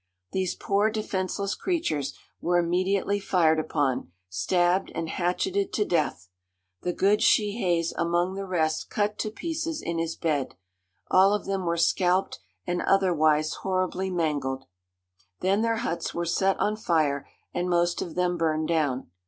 These poor defenceless creatures were immediately fired upon, stabbed, and hatcheted to death! the good Shehaes among the rest cut to pieces in his bed!—all of them were scalped, and otherwise horribly mangled. Then their huts were set on fire, and most of them burned down.